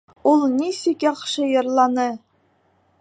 Ул нисек яҡшы йырланы!